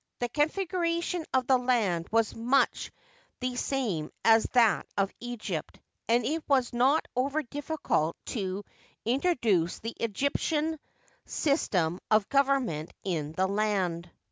The configuration of the land was much the same as that of Egypt, and it was not over difficult to in troduce the Egyptian system of government in the land.